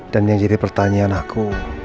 dan yang jadi pertanyaan aku